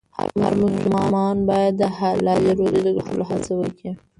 هر مسلمان باید د حلالې روزۍ د ګټلو هڅه وکړي.